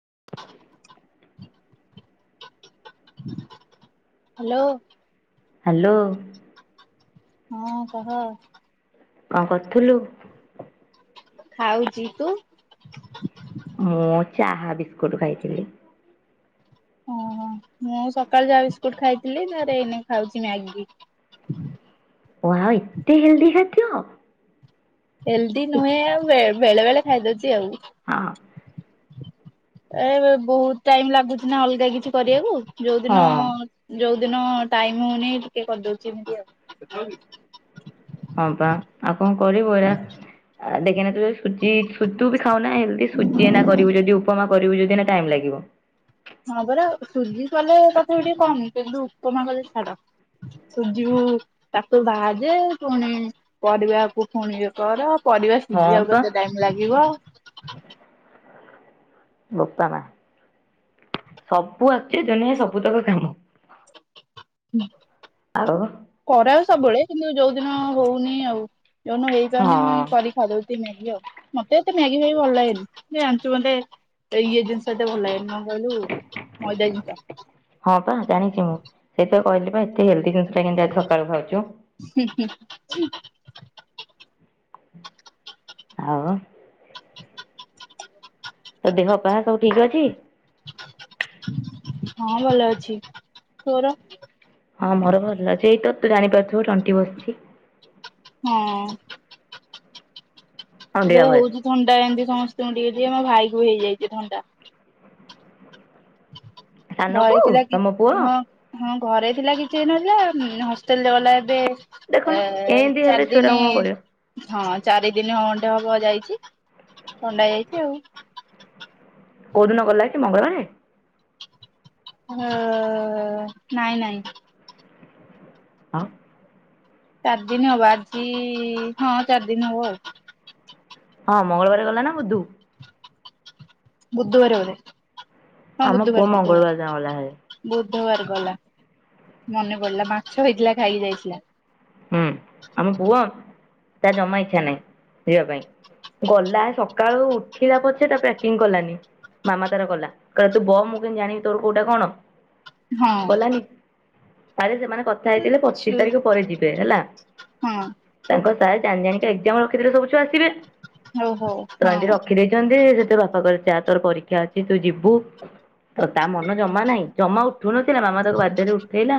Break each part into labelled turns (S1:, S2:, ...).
S1: [unintelligible]
S2: Hello
S1: hello
S2: ହଁ କହ?
S1: କଣ କରୁଥିଲୁ?
S2: ଖାଉଚି ତୁ?
S1: ମୁଁ ଚାହା ବିସ୍କୁଟ ଖାଇଥିଲି।
S2: ଅ ହଁ। ମୁଁ ସକାଳେୁ ଚାହା ବିସ୍କୁଟ ଖାଇଥିଲି ତାରେ ଏଇନେ ଖାଉଛି ମ୍ୟାଗି।
S1: ୱାଓ ଏତେ [unintelligible]
S2: ହେଲ୍ଦି
S1: ଏ
S2: ନୁହେଁ ଆଉ ବେଳେ ବେଳେ ଖାଇଦଉଛି
S1: ହଁ
S2: ଆଉ। ଏ ବହୁତ ଟାଇମ ଲାଗୁଛି ନା ଅଲଗା କିଛି କରିବାକୁ ଯୋଉଁ
S1: ହଁ
S2: ଦିନ ଯୋଉଁ ଦିନ ଟାଇମ ହଉନି ଟିକେ କରିଦଉଛି ମ୍ୟାଗି ଆଉ।
S1: ହଁ ବା ଆଉ କଣ କରିବୁ ଏରା ଦେଖନା ତୁତୁ ବି [inaudible] ହଉନା ଏମିତି ସୁଜି ଏଇନା କରିବୁ ଯଦି ଉପମା କରିବୁ ଯଦି ଏଇନା ଟାଇମ୍ ଲାଗିବ।
S2: ହଁ ପରା ସୁଜି କଲେ ତଥା ଟିକେ କମ କିନ୍ତୁ ଉପମା କଲେ ଛାଡ। ସୁଜି କୁ ତାକୁ ଭାଜେ ପୁଣି ପରିବାକୁ ପୁଣି ଇଏ କର ପରିବା
S1: ହଁ
S2: ସିଝିବାକୁ
S1: ପା
S2: କେତେ ଟାଇମ ଲାଗିବ
S1: ବୋପା ମା ସବୁ ଅଛି ତେଣେ ସବୁ ତାକ କାମ। ଆଉ
S2: କରା ହେଉଚି ସବୁବେଳେ କିନ୍ତୁ ଯୋଉଁ ଦିନ ହଉନି ଆଉ ଯୋଉଁଦିନ
S1: ହଁ
S2: ହେଇପାରୁନି ମୁଁ କରି ଖାଇଦଉଛି ମ୍ୟାଗି ଆଉ। ମତେ ଏତେ ମ୍ୟାଗି ଫ୍ୟାଗି ଭଲ ଲାଗେନି ଜାଣିଛୁ ମୋତେ ଇଏ ସେତେ ଭଲ ଲାଗେନି କଣ କହିଲୁ ମଇଦା ଜିନଷ
S1: କହିଲିବା ଏତେ ହେଲ୍ଦି ଜିନିଷ ଟା କେମିତି ଆଜି ସକାଳୁ ଖାଉଚୁ? ଆଉ? ତୋ ଦେହ ପା ସବୁ ଠିକ ଅଛି?
S2: ହଁ ଭଲ ଅଛି, ତୋର?
S1: ହଁ ମୋର ଭଲ ଅଛି, ଏଇ ତ ତୁ ଜାଣିପାରୁଥିବୁ ତଣ୍ଟି ବସିଛି।
S2: ହଁ। ଏ
S1: ଅଣ୍ଡିରା ଭଏସ
S2: ହଉଛି ଥଣ୍ଡା ଏମିତି ସମସ୍ତଙ୍କୁ ଟିକେ ଟିକେ ମୋ ଭାଇକୁ ବି ହେଇଯାଇଛି ଥଣ୍ଡା।
S1: ସାନକୁ
S2: [unintelligible] କି
S1: ତମ ପୁଅ
S2: ହଁ ହଁ ଘରେ ଥିଲା କିଛି ହେଇନଥିଲା ହଷ୍ଟେଲ ରେ ଗଲା ଏବେ
S1: ଦେଖୁନ
S2: ଏ
S1: ଏମିତି ହେଲେ
S2: ଚାରି ଦିନି
S1: ଛୁଆଟାକୁ କଣ କରିବ
S2: ହଁ ଚାରି ଦିନି ଖଣ୍ଡେ ହବ ଯାଇଛି ଥଣ୍ଡା ହେଇଯାଇଛି ଆଉ
S1: କୋଉଁ ଦିନ ଗଲା କି ମଙ୍ଗଳବାରେ?
S2: ହଁ ନାଇଁ ନାଇଁ।
S1: ଆଉ
S2: ଚାରି ଦିନ ହବ ଆଜି ହଁ ଚାରି ଦିନ ହବ ଆଉ।
S1: ହଁ ମଙ୍ଗଳବାର ଗଲା ନା ବୁଧୁ
S2: ବୁଧବାରେ ବୋଧେ ହଁ
S1: ଆମ ପୁଅ
S2: ବୁଧବାର
S1: ମଙ୍ଗଳବାର ଦିନ
S2: ବୁଧବାରେ।
S1: ଗଲା ଭାରି
S2: ବୁଧବାର ଗଲା, ମନେ ପଡିଲା ମାଛ ହେଇଥିଲା ଖାଇକି ଯାଇଥିଲା।
S1: ତାର ଜମା ଇଚ୍ଛା ନାହିଁ ଯିବା ପାଇଁ। ଗଲା ସକାଳୁ ଉଠିଲା ପଛେ ତା ପ୍ୟାକିଂ କଲାନି। ମାମା ତାର କଲା କହିଲା ତୁ ବ ମୁଁ କେମିତି ଜାଣିବି ତୋର କୋଉଁଟା କଣ?
S2: ହଁ।
S1: କଲାନି ଆରେ ସେମାନେ କଥା ହେଇଥିଲେ ପଚିଶି
S2: ଛୁ
S1: ତାରିଖ ପରେ ଯିବେ ହେଲା।
S2: ହଁ
S1: ତାଙ୍କ ସାର ଜାଣି ଜାଣିକା ଏକ୍ଜାମ ରଖିଦେଲେ ସବୁ ଛୁଆ ଆସିବେ
S2: ହଉ ହଉ
S1: ତ ଏମିତି
S2: ହଁ
S1: ରଖି ଦେଇଚନ୍ତି ସେଇଠୁ ବାପା କହିଲେ ଚା ତୋର ପରୀକ୍ଷା ଅଛି ତୁ ଯିବୁ ତ ତା ମନ ଜମା ନାହିଁ ଜମା ଉ ଠୁ ନଥିଲା ମାମା ତାକୁ ବାଧ୍ୟରେ ଉଠେଇଲା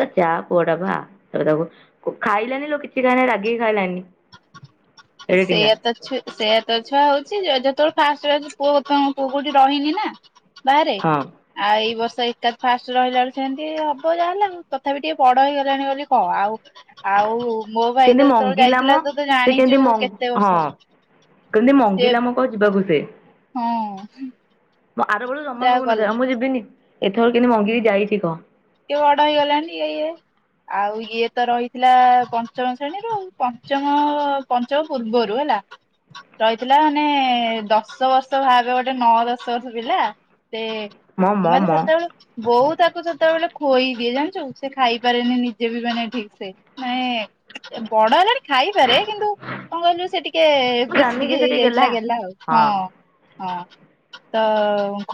S1: ତ ଚା ପୁଅଟା ବା ଆ ତାପରେ ତାକୁ କୁ ଖାଇଲାନି ଲୋ କିଛି ଖାଇ ନାହିଁ ରାଗିକି ଖାଇଲାନି। ଏଡେ ଟିଙ୍ଗା
S2: ସେଇଆ ତ ଛୁ ସେଇଆ ତ ଛୁଆ ହଉଛି ଯ-ଯେତେବେଳେ ଫାଷ୍ଟ ଫାଷ୍ଟ ପୁଅ ବର୍ତ୍ତମାନ ପୁଅ କୋଉଠି ରହିନି ନା ବାହାରେ
S1: ହଁ
S2: ଆଉ ଏଇ ବର୍ଷ ତ ଏକା ଫାଷ୍ଟ ରହିଲା ବେଳୁ ସେମିତି ହବ ଯାହା ହେଲେ ଆଉ ତଥାପି ଟିକେ ବଡ଼ ହେଇଗଲାଣି ବୋଲି କହ ଆଉ ଆଉ ମୋ ଭାଇ ତ
S1: କେମିତି
S2: ଯେତେବେଳେ
S1: ମଙ୍ଗିଲା ମ
S2: ଯାଇଥିଲା ତୁ ତ
S1: ସେ
S2: ଜାଣି
S1: କେମିତି ମଙ୍ଗ୍ ହଁ କେମତି
S2: ସିଏ
S1: ମଙ୍ଗିଲା ମୁଁ କହ ଯିବାକୁ ସେ।
S2: ହଁ
S1: ବ ଆର ବେଳୁ ଜମା
S2: ଯାହା
S1: ମଙ୍ଗୁ
S2: ଗଲା
S1: ନଥିଲା ମୁଁ ଯିବିନି ଏଥର କେମିତି ମଙ୍ଗିକି ଯାଇଚି କହ।
S2: ଟିକେ ବଡ ହେଇଗଲାଣି ଇଏ ଇଏ। ଆଉ ଇଏ ତ ରହିଥିଲା ପଞ୍ଚମ ଶ୍ରେଣୀରୁ ଆଉ ପଞ୍ଚମ ପଞ୍ଚମ ପୂର୍ବରୁ ହେ ଲା ରହିଥିଲା ମାନେ ଦଶ ବର୍ଷ ଭାବେ ଗୋଟେ ନଅ ଦଶ ବର୍ଷ ପିଲା। ସେ
S1: ମ ମ
S2: ମାନେ
S1: ମ
S2: ସେତେବେଳେ ବୋଉ ତାକୁ ସେତେବେଳେ ଖୋଇ ଦିଏ ଜାଣିଚୁ ସେ ଖାଇପାରେନି ନିଜେ ବି ମାନେ ଠିକ୍ ସେ ମାନେ ଏ ବଡ ହେଲାଣି। ଖାଇପାରେ କିନ୍ତୁ କଣ କହିଲୁ ସେ ଟିକେ
S1: ମୁଁ
S2: ବେଶୀ
S1: ଜାଣିନି
S2: ଟିକେ
S1: କି ସେଠିକି ଗେଲା
S2: ହେଇଯାଇଥିଲା ଗେହ୍ଲା ଆଉ ହଁ। ହଁ ତ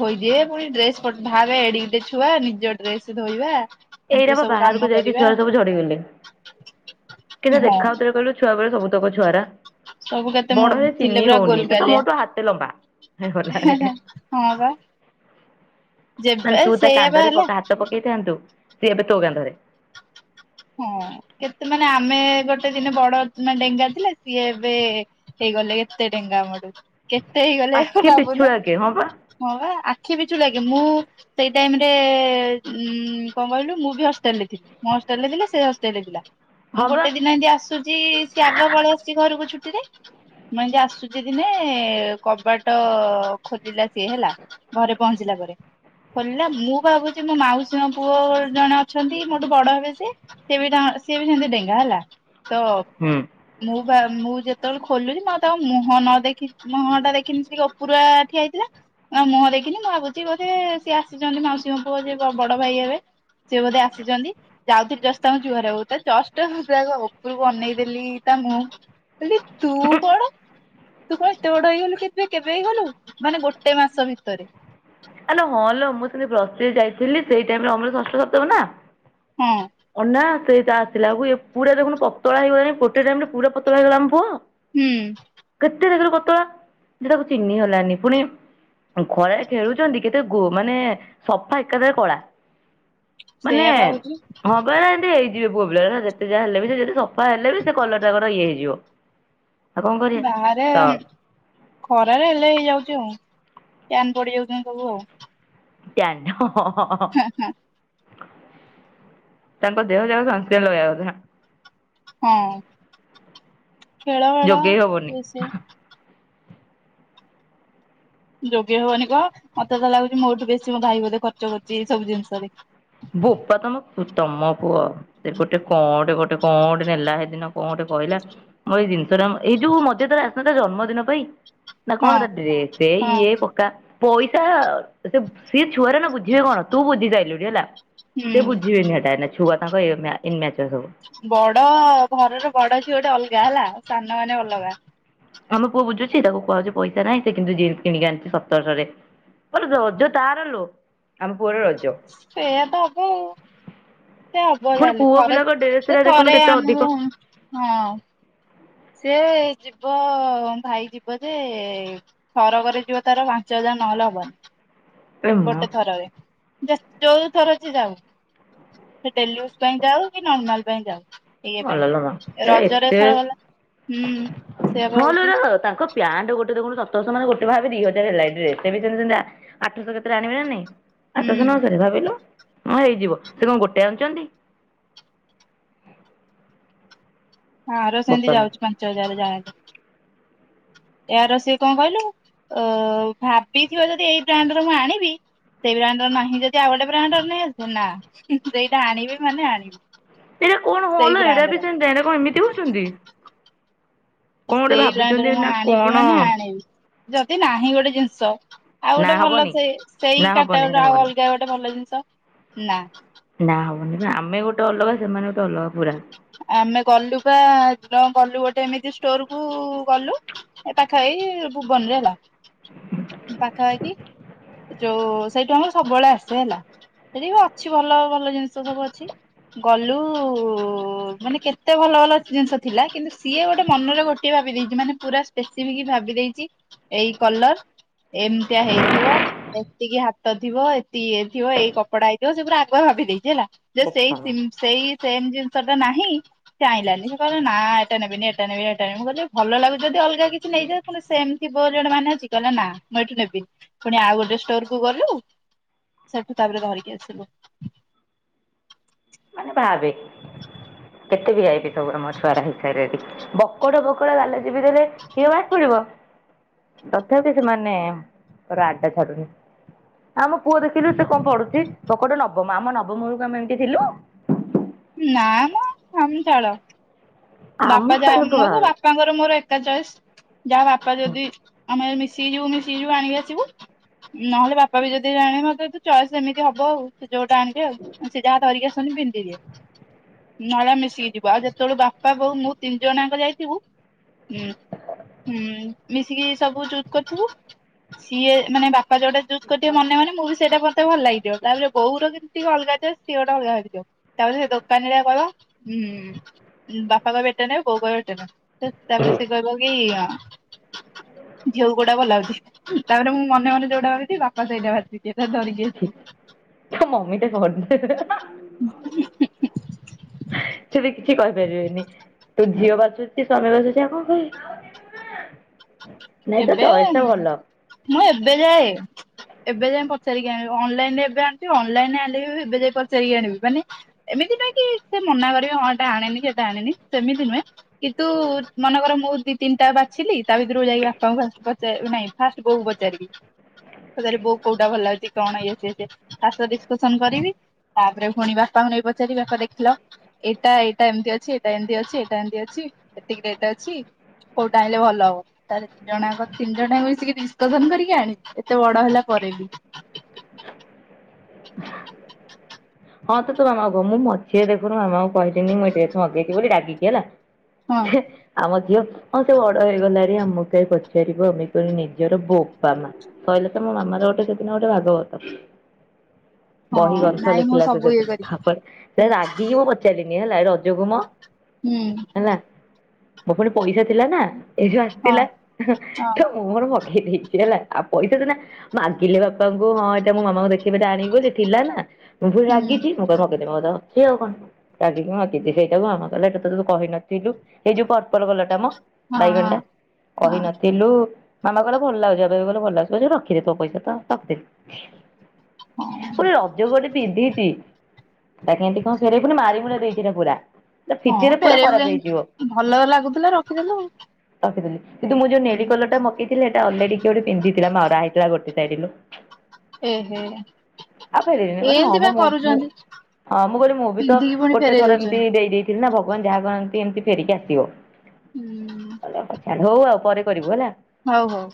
S2: ଖୋଇଦିଏ ପୁଣି ଡ୍ରେସ୍ ପ ଭାବେ ଏଡିକି ଟେ ଛୁଆ ନିଜ ଡ୍ରେସ ଧୋଇବା। ନିଜେ
S1: ଏଇନା ବା
S2: ସବୁ
S1: ବାହାରୁକୁ
S2: କାମ
S1: ଯାଇକି
S2: କରିବା
S1: ଛୁଆ ସବୁ ଝଡିଗଲେ। କେମତିଆ
S2: ହଁ
S1: ଦେଖା ଯାଉଥିବେ କହିଲୁ ଛୁଆବେଳେ ସବୁତକ ଛୁଆରା।
S2: ସବୁ କେତେ ମୋ
S1: ବଡ ହେଲେ ଚିହ୍ନି ହଉନି ସେ ତ ମୋଠୁ ହାତେ ଲମ୍ବା।
S2: ହେ
S1: ହେଇଗଲାରେ
S2: ହେ ହଁ ବା।
S1: ମାନେ
S2: ଯେବେ ସେଇଆ ବା ହେଲା।
S1: ସେ ଏବେ ତୋ କାନ୍ଧରେ।
S2: ହଁ କେତେ ମାନେ ଆମେ ଗୋଟେ ଦିନେ ବଡ ମାନେ ଡେଙ୍ଗା ଥିଲେ ସିଏ ଏବେ ହେ ଇ ଗଲେ ଏତେ ଡେଙ୍ଗା ଆମଠୁ କେତେ ହେଇଗଲେ
S1: ଆଖି
S2: ଭାବୁନୁ
S1: ପିଛୁଳାକେ ହଁ ବା
S2: ହଁ ବା ଆ ଖି ପିଛୁ ଲାଗେ ମୁଁ ସେଇ ଟାଇମ ରେ ଉଁ କଣ କହିଲୁ ମୁଁ ବି ହଷ୍ଟେଲ ରେ ଥିଲି ମୋ [unintelligible] ବୋଇଲେ ସେ ହଷ୍ଟେଲରେ ଥିଲା। ମୁଁ
S1: ହଁ ବା
S2: ଗୋଟେ ଦିନ ଏମିତି ଆସୁଚି ସିଏ ଆଗ ପଳେଇ ଆସିଚି ଘରୁକୁ ଛୁ ଟିରେ। ମୁଁ ଏମିତି ଆସୁଚି ଦିନେ କବାଟ ଖୋଲିଲା ସିଏ ହେଲା ଘରେ ପହଁଞ୍ଚିଲା ପରେ ଖୋଲିଲା ମୁଁ ଭାବୁଚି ମୋ ମାଉସୀଙ୍କ ପୁଅ ଗୋ ଜଣେ ଅଛନ୍ତି ମୋଠୁ ବଡ ହେବେ। ସେ ସେ ବି ଟାଙ୍କ ସିଏ ବି ସେମତି ଡେଙ୍ଗା ହେଲା ତ
S1: ହୁଁ।
S2: ମୁଁ ବା ମୁଁ ଯେତେବେଳେ ଖୋଲୁଚି ମୁଁ ଆଉ ତାଙ୍କ ମୁହଁ ନ ଦେଖି ମୁହଁ ଟା ଦେଖିନି ସେ ଟିକେ ଓପୁରିଆ ଠିଆ ହେଇଥିଲା। ଆଉ ମୁହଁ ଦେଖିନି ମୁଁ ଭାବୁଛିି ବୋଧେ ସିଏ ଆସିଚନ୍ତି ମାଉସୀଙ୍କ ପୁଅ ଯିଏ ବ-ବଡ ଭାଇ ହେବେ। ସିଏ ବୋଧେ ଆସିଚନ୍ତି। ଯାଉଥିଲି ଜଷ୍ଟ ତାଙ୍କୁ ଜୁହାର ହବାକୁ ତ ଜଷ୍ଟ ତ ଆଗ ଓପରକୁ ଅନେଇ ଦେଲି ତା ମୁହଁ। କହିଲି ତୁ କଣ। ତୁ କଣ ଏତେ ବଡ ହେଇଗଲୁ କେବେ କେବେ ହେଇଗଲୁ ମାନେ ଗୋଟେ ମାସ ଭିତରେ।
S1: ଆଲୋ ହଁ ଲୋ ମୁଁ ସେମତି ପ୍ଲସ ଥ୍ରୀରେ ଯାଇଥିଲି ସେଇ ଟାଇମରେ ଓମର ଷଷ୍ଠ ସପ୍ତମ ନା।
S2: ହଁ
S1: ଅନା ସେ ସେ ଆସିଲା ବେଳକୁ ଏ ପୁରା ଦେଖୁନୁ ପତଳା ହେଇଗଲାଣି ଗୋଟେ ଟାଇମ ରେ ପୁରା ପତଳା ହେଇଗଲା ଆମ ପୁଅ।
S2: ହୁଁ।
S1: ତେ ଦେଖିଲୁ ପତଳା ଯେ ତାକୁ ଚିହ୍ନି ହେଲାନି ପୁଣି ଖରାରେ ଉଁ ଖେଳୁ ଚନ୍ତି କେତେ ଗୋ ମାନେ ସଫା ଏକାଥରେ କଳା। ମାନେ
S2: ସେଇଆ ବା ହଉଛି
S1: ହଁ ପରା ଏମତି ହେଇ ଇଏ ପୁଅ ପିଲା ଗୁଡା ଯେତେ ଯାହା ହେଲେ ବି ସେ ଯେତେ ସଫା ହେଲେ ବି ସେ କଲରଟା ତାଙ୍କର ଇଏ ହେଇଯିବ। ଆଉ କଣ କରିବା
S2: ବାହାରେ
S1: ତ
S2: ଉଁ ଖରାରେ ହେଲେ ହେଇଯାଉଛି ଆଉ। ପ୍ୟାନ ପଡିଯାଉଛନ୍ତି ସବୁ ଆଉ।
S1: ପ୍ୟାଣ୍ଟ [unintelligible] ତାଙ୍କ ଦେହ ଯାକ ସନସ୍କ୍ରିନ ଲଗେଇବା କଥା।
S2: ହଁ ଖେଳ ବେଳ
S1: ଯୋଗେଇ ହବନି।
S2: ଇଏ ସିଏ ଯୋଗେଇ ହବନି କୁ, ମତେ ତ ଲାଗୁଛି ମୋଠୁ ବେଶୀ ମୋ ଭାଇ ବୋଧେ ଖର୍ଚ୍ଚ କରୁଛି ଏଇ ସବୁ ଜିନିଷରେ।
S1: ବୋପା ତମ ପୁ ତମ ପୁଅ ସେ ଗୋଟେ କଣ ଟେ ଗୋଟେ କଂଟେ ଗୋଟେ ନେଲା ହେଦିନ କଂ ଗୋଟେ କହିଲା ମୋର ଏଇ ଜିନିଷଟା, ଏଇ ଯୋଉ ମଝିରେ ଥରେ ଆସିନଥିଲା ଜନ୍ମଦିନ ପାଇଁ। ନା
S2: ହଁ
S1: କଣ ତା ଡ୍ରେସ୍
S2: ହଁ
S1: ଇଏ ପକା। ପଇସା ସେ ସିଏ ଛୁଆଟେ ନା ବୁଝିବେ କଣ, ତୁ ବୁଝି ସାଇଲୁଣି ହେଲା। ସେ
S2: ହୁଁ
S1: ବୁଝିବେନି ହେଟା ଏଇନା ଛୁଆ ତାଙ୍କ ଏମା ଇନ୍‌ମ୍ୟା
S2: ବଡ ଘରର ବଡ ଝିଅ ଗୋଟେ ଅଲଗା ହେଲା, ସାନ ମାନେ ଅଲଗା।
S1: ଆମେ ପୁଅ ବୁଝୁଛି ତାକୁ କୁହାହଉଛି ପଇସା ନାହିଁ, ସେ କିନ୍ତୁ ଜିନ୍ କିଣିକି ଆଣଚି ସତରଶହରେ। ଆଲୋ ରଜ ତାର ଲୋ। ଆମ ପୁଅର ରଜ
S2: ସେଇଆ ଦବୁ ସେ ହବ
S1: ପୁଣି
S2: ଯାହେଲେ,
S1: ପୁଅ
S2: ଥରେ
S1: ପିଲାଙ୍କ ଡ୍ରେସରା
S2: ସେ
S1: ଦେଖୁନୁ
S2: ଥରେ
S1: କେତେ
S2: ଆମ
S1: ଅଧିକ
S2: ହଁ ସେ ଯିବ ଭାଇ ଯିବ ଯେ ଥରକରେ ଯିବ ତାର ପାଞ୍ଚ ହଜା ନହେଲେ ହବନି
S1: ଏ ମା
S2: ଗୋଟେ ଥରରେ। ଯା ଯୋଉ ଥର ସେ ଯାଉ, ସେ ଡେଲିୟୁଜ ପାଇଁ ଯାଉ କି ନର୍ମାଲ ପାଇଁ ଯାଉ। ଏଇ
S1: ଭଲ ଲୋ ମା
S2: ପାଇଁ
S1: ଏରା
S2: ରଜରେ,
S1: ଏତେ
S2: ଏଥର ଗଲା ହୁଁ
S1: ହଁ
S2: ସେଆବା
S1: ଲୋ ଏରା
S2: ହଉଛି।
S1: ତାଙ୍କ ପ୍ୟାଣ୍ଟ ଗୋଟେ ଦେଖୁନୁ ସତରଶହ ମାନେ ଗୋଟେ ଭାବେ ଦି ହଜାର ହେଲା ଡ୍ରେସ, ତେବେ ସେମିତି ଆଠଶହ କେତେରେ ଆଣିବେ ନା ନାଇଁ। ଆଠଶହ
S2: ହୁଁ
S1: ନଅଶହ ରେ ଭାବିଲ? ହଁ ହେଇଯିବ, ସେ କଣ ଗୋଟେ ଆଣିଛନ୍ତି?
S2: ହଁ ୟାର ସେମିତି
S1: ମା
S2: ଯାଉଛି ପାଞ୍ଚ ହଜାର ଯାହା ଏଆର ସିଏ କଣ କହିଲୁ, ଅ ଭାବିଥିବ ଯଦି ଏଇ ବ୍ରାଣ୍ଡ ର ମୁଁ ଆଣିବି ସେଇ ବ୍ରାଣ୍ଡର ନାହିଁ ଯଦି ଆଉ ଗୋଟେ ବ୍ରାଣ୍ଡ ର ନେଇ ଆସୁ, ନା ସେଇଟା ଆଣିବି ମାନେ ଆଣିବି।
S1: ଏଇଟା କଣ
S2: ସେଇ
S1: ଭଲ ଏଇରା
S2: ବ୍ରାଣ୍ଡ
S1: ବି
S2: ର
S1: ସେମିତି ଏଇରା କଣ ଏମିତି ହଉଛନ୍ତି। କଣ ଗୋଟେ
S2: ସେଇ
S1: ଭାବିଛନ୍ତି
S2: ବ୍ରାଣ୍ଡରେ ମୁଁ
S1: ନା
S2: ଆଣିବି
S1: କଣ
S2: ମାନେ ଆଣିବି। ଯଦି ନାହିଁ ଗୋଟେ ଜିନିଷ, ଆଉ
S1: ନା
S2: ଗୋଟେ ଭଲ
S1: ହବନି
S2: ସେ
S1: ନା
S2: ସେଇ
S1: ହବନି
S2: କାଟା
S1: ହେରା
S2: ଗୋରୀ ଆଉ
S1: ହବନି
S2: ଅଲଗା ଗୋଟେ ଭଲ ଜିନ ର ନା।
S1: ନା ହବନି ଆମେ ଗୋଟେ ଅଲଗା, ସେମାନେ ଗୋଟେ ଅଲଗା। ପୁରା
S2: ଆମେ ଗଲୁ ପା ସେଦିନ ଗଲୁ ଗୋ ଏମିତି ଷ୍ଟୋରକୁ ଗଲୁ ଏ ପାଖ ଏଇ ଭୁବନରେ ହେଲା। ପାଖାପାଖି ଯୋଉ ସେଇଠୁ ଆମର ସବୁବେଳେ ଆସେ ହେଲା। ସେଠି କଣ, ଅଛି ଭଲ ଭଲ ଜିନିଷ ସବୁ ଅଛି। ଗଲୁ ଓ ମାନେ କେତେ ଭଲ ଭଲ ଜିନିଷ ଥିଲା, କିନ୍ତୁ ସିଏ ଗୋଟେ ମନରେ ଗୋଟିଏ ଭାବି ଦେଇଛି ମାନେ ପୁରା ସ୍ପେସିଫିକ୍ ଭାବି ଦେଇଛି, ଏଇ କଲର ଏମିତିଆ ହେଇଥିବ, ଏତିକି ହାତ ଥିବ, ଏତିକି ଇଏ ଥିବ, ଏଇ କପଡା ହେଇଥିବ। ସେ ପୁରା ଆଗୁଆ ଭା ଭାବି ଦେଇଛି ହେଲା ଯେ ସେଇ
S1: ବୋପା ମା
S2: ସିମ୍ ସେଇ ସେମ ଜିନ ସେଇଟା ନାହିଁ ସେ ଆଇଁଲାନି। ସେ କହିଲା ନା ଏଟା ନେବିନି ଏଟା ନେବି ହେଟା ନେବି, ମୁଁ କହିଲି ଭଲ ଲାଗୁ ଯଦି ଅଲଗା କିଛି ନେଇଯା ସେମିତି ବୋ କଣ ମାନେ ଅଛି। କହିଲା ନା ମୁଁ ଏଇଠୁ ନେବିନି, ପୁଣି ଆଉ ଗୋଟେ ଷ୍ଟୋର କୁ ଗଲୁ ସେଠୁ ତାପରେ ଧରିକି ଆସିଲୁ।
S1: ଖା ବେ କେତେ ବି ଯାଇଚି ସବୁ ମୋ ଛୁଆଟା ହିସାରେଠି [unintelligible] ବକଡ ବକଡ ଗାଲ ଚିପିଦେଲେ କ୍ଷୀର ବାହାରି ପଡିବ। ତଥାପି ସେମାନେ, ତାର ଆଡା ଛାଡୁନି। ଆମ ପୁଅ ଦେଖିଲୁ ସେ କଣ ପଢ଼ୁଛି, ବକଟେ ନବମ। ଆମ ନବମ ବେଳକୁ ଆମେ ଏମିତି ଥିଲୁ?
S2: ନା ମ ଆମେ ଛାଡ
S1: ଆମ
S2: ବାପା ଯାହା
S1: ବେଳକୁ
S2: ମୋର
S1: ଭାବେ
S2: ବାପାଙ୍କର ମୋର ଏକା ଚଏସ, ଯାହା ବାପା ଯଦି ଆମେ ମି ଶିକି ଯିବୁୁ ମିଶିକି ଯିବୁ ଆଣିକି ଆସିବୁ। ନହେଲେ ବାପା ବି ଯଦି ଆଣିବେ, ମତେ ତ ଚଏସ୍ ଏମିତି ହବ ଆଉ। ସେ ଯୋଉଟା ଆଣିବେ, ଆଉ ସେ ଯାହା ଧରିକି ଆସନ୍ ପିନ୍ଧି ଦିଏ ନହେଲେ ମିଶିକି ଯିବୁ, ଆଉ ଯେତେବେଳେ ବା ପା, ବୋଉ, ମୁଁ ତିନି ଜଣାଙ୍କ ଯାଇଥିବୁ। ହୁଁ ହୁଁ ମିଶିକି ସବୁ ଚୁଜ କରିୁଥିବୁ ସିଏ ମାନେ ବାପା ଯୋଉଟା ଚୁଜ୍ କରିଥିବେ ମନେ ମନେ ମୁଁ ବି ସେଇଟା ଭ ମତେ ଭଲ ଲାଗିଥିବ ତାପରେ ବୋଉର କେମତି ଅଲଗା ଚଏସ ସିଏ ଗୋଟେ ଅଲଗା ଭାବିଥିବ ତାପରେ ସେ ଦୋକାନି ଟା କହିବ ହୁଁ। ବାପା କହିବେ ହେଟା ନେ ବୋଉ କହିବେ ହେଟା ନ ତାପରେ ସେ କହିବ କି ଆ ଝିଅକୁ କୋଉଟା ଭଲ ଲାଗୁଛି? ତାପରେ ମୁଁ ମନେ ମନେ ଯୋଉଟା ଭାବିଥିବି ବାପା ସେଇଟା ବାଛିଥିବେ।
S1: ତୋ ମମି ଟା କଣ ସେ ବି କିଛି କହିପାରିବେନି ତୁ ଝିଅ ବାଛୁଚି ସ୍ଵାମୀ ବାଛୁଚି ସେ ଆଉ କଣ କହିବେ। ନାଇଁ ତୋ
S2: ଏବେ
S1: ଚଏସ ଟା ଭଲ।
S2: ମୁଁ ଏବେ ଯାଏ ଏବେ ଯାଇ ପଚାରିକି ଆଣିବି ଅନଲାଇନ ରେ ଏବେ ଆଣିବି ଅନଲାଇନ ରେ ଆଣିବି ଏବେ ଯାଇ ପଚାରିକି ଆଣିବି ମାନେ ଏମିତି ସେଥିପାଇଙ୍କି ସେ ମନା କରିବେ ହଁ ଏଟା ଆଣିନି ଏଟା ଆଣିନି ସେମିତି ନୁହେଁ କିନ୍ତୁ ମନେକର ମୁଁ ଦି ତିନିଟା ବାଛିିଲି ତା ଭିତରୁକୁ ଯାଇକି ବାପାଙ୍କୁ ଫାଷ୍ଟ ପଚା ନାଇଁ ଫାଷ୍ଟ ବୋଉକୁ ପଚାରିବି ସେରେ ବୋଉ କୋଉଟା ଭଲ ଲାଗୁଛି କଣ ଇଏ ସିଏ ତା ସ ଡିସକସନ କରିବି ତାପରେ ଫୁଣୀ ବାପାଙ୍କୁ ନେଇ ପଚାରିବି ବାପା ଦେଖିଲ ଏଇଟା ଏଇଟା ଏମିତି ଅଛି ଏଇଟା ଏମିତି ଅଛି ଏଟା ଏମିତି ଅଛି ଏତିକି ରେଟ୍ ଅଛି କୋଉଟା ଆଣିଲେ ଭଲ ହବ ତା ଜଣାଙ୍କ ତିନି ଜଣଙ୍କୁ ମିସିକି ଡିସକସନ କରିକି ଆଣିବି ଏତେ ବଡ ହେଲା ପରେ ବି
S1: ହଁ ତୁ ତୋ ମାମାକୁ କହ ମୁଁ ମଝୀରେ ଦେଖୁନୁ ମାମାଙ୍କୁ କହିଲିନି ମୁଁ ଏ ଡ୍ରେସ ମଗେଇଛି ବୋଲି ରାଗିକି ହେଲା
S2: ହଁ
S1: ହେ ଆମ ଝିଅ ହଁ ସେ ବଡ ହେଇଗଲା ଆମକାଇଁ ପଚାରିବ ଆମେ କିଲ ନିଜର ବୋପା ମା ଶଇଲା ତ ମୋ ମାମା ଆ ର ଗୋଟେ ସେଦିନ ଗୋଟେ ଭାଗବତ।
S2: ହଁ
S1: ବହି
S2: ନାଇଁ ମୁଁ ସେ
S1: [unintelligible] ସେଦିନ ତାପରେ ସେ ରାଗିକି ମୁଁ ପଚାରିଲିନି ହେଲା ଏ ରଜକୁମ
S2: ହୁଁ।
S1: ମୋ ପୁଣି ପଇସା ଥିଲା ନା ଏ ଯୋଉ
S2: ହଁ
S1: ଆସିଥିଲା
S2: ହଁ
S1: ତ ମୁଁ ମୋର ଗେଇ ଦେଇଛି ହେଲା ଆଉ ପଇସା ତ ନା ମାଗିରଲେ ବାପାଙ୍କୁ ହଁ ଏଇଟା ମୋ ମାମାଙ୍କୁ ଦେଖେଇ ଆଣିବୁ ଯେ ଥିଲା ନା ମୁଁ ଫୁଣି
S2: ହୁଁ
S1: ରାଗିଛି। ସିଏ ଆଉ କଣ ସେଇଟା ଆମ କଲା ଏଇଟା ତୁ କହିନଥିଲୁ ଏଇ ଯୋଉ ପର୍ପଲ କଲରଟା ମ
S2: ହଁ
S1: ବାଇଗଣି ଟା
S2: ହଁ
S1: କହିନଥିଲୁ ମାମା କହିଲେ ଭଲ ଲାଗୁଛି। ଏବେ ବି କହିଲେ ଭଲ ଲାଗୁଛି ତୋ ରଖିଦେ ତୋ ପଇସା ତ ରଖିଦେ
S2: ହଁ ହଁ
S1: ଫୁଣି ରଜକୁ ଗୋଟେ ପିନ୍ଧିଛି। ତା କେମିତି କଣ ଫେରେଇବୁ ମାରି ମୁରା ଦେଇଛି ପୁରା ତା
S2: ହଁ
S1: ଫିତିରେ ପୁରା
S2: ଫେରେଇବୁ
S1: ଖରାପ ହେଇଯିବ
S2: କାହିଁ ଭଲ ଲାଗୁଥିଲା ରଖିଦେଲୁ ଆଉ।
S1: ରଖିଦେଲି କିନ୍ତୁ ମୁଁ ଯୋଉ ନେଳି କଲରଟା ମଗେଇଥିଲି ସେଇଟା ଅଲରେଡି କିଏ ଗୋଟେ ପିନ୍ଧିଥିଲା ମରା ହେଇଥିଲା ଗୋଟେ ସାଇଡୁରୁ
S2: ଏହେ
S1: କହିଲି ହଁ
S2: ଏମିତି
S1: ମ
S2: ବା
S1: ମୁଁ ମୁଁ
S2: କରୁଛନ୍ତି।
S1: ହଁ ମୁଁ କହିଲି ମୁଁ ବି ତ
S2: ପିନ୍ଧିକି ପୁଣି
S1: ଗୋଟେ
S2: ଫେରେଇ
S1: ଥର ଏମିତି
S2: ଦଉଛନ୍ତି।
S1: ଦେଇ ଦେଇଥିଲି ନା ଭଗବାନ ଯାହା କରନ୍ତି ଏମତି ଫେରିକି ଆସିବ।
S2: ହୁଁ
S1: ହୋଉ ଆଉ ପରେ କରିବୁ ହେଲା।
S2: ହଉ ହଉ।